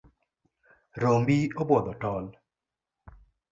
Rombi obwodho tol.